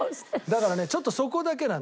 だからねちょっとそこだけなんだよね。